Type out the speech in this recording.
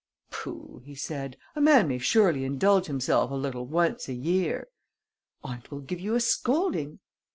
"Pooh!" he said. "A man may surely indulge himself a little once a year!..." "Aunt will give you a scolding!"